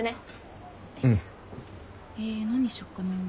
えー何しよっかなぁ。